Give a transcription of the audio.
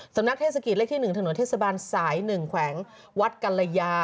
นักเทศกิจเลขที่๑ถนนเทศบาลสาย๑แขวงวัดกัลยา